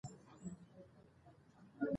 تاریخ د خپل ولس د ټولنیز ژوند انځور دی.